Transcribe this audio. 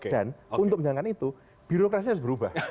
dan untuk menjalankan itu birokrasi harus berubah